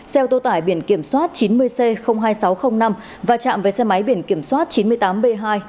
xe ô tô tải biển kiểm soát chín mươi c hai nghìn sáu trăm linh năm và chạm với xe máy biển kiểm soát chín mươi tám b hai một mươi bốn nghìn một trăm tám mươi hai